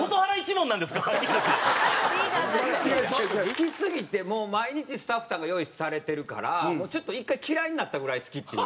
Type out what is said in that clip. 好きすぎて毎日スタッフさんが用意されてるからちょっと一回嫌いになったぐらい好きっていう。